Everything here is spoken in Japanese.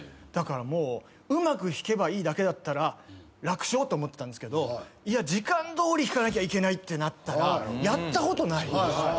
だからもううまく弾けばいいだけだったら楽勝と思ってたんですけど時間どおり弾かなきゃいけないってなったらやったことない。